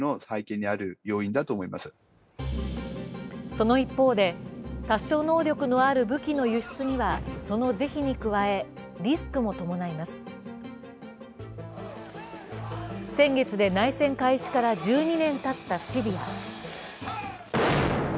その一方で、殺傷能力のある武器の輸出にはその是非に加え、リスクも伴います先月で内戦開始から１２年たったシリア。